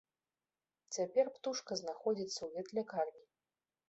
Цяпер птушка знаходзіцца ў ветлякарні.